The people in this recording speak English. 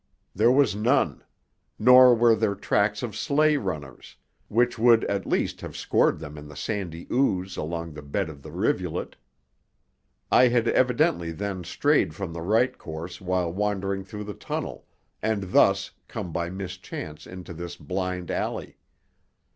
There was none; nor were there tracks of sleigh runners, which would, at least, have scored them in the sandy ooze along the bed of the rivulet. I had evidently then strayed from the right course while wandering through the tunnel, and thus come by mischance into this blind alley.